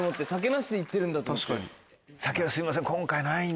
酒はすいません